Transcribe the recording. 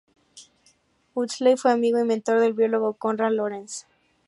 Huxley fue amigo y mentor del biólogo Konrad Lorenz.